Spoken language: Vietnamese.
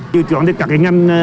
dự đoán thì các cái ngành